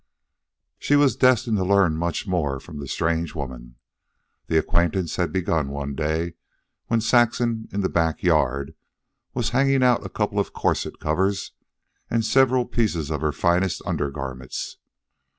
She was destined to learn much from the strange woman. The acquaintance had begun one day when Saxon, in the back yard, was hanging out a couple of corset covers and several pieces of her finest undergarments.